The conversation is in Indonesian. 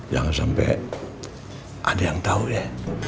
jangan sampai ada yang tahu ya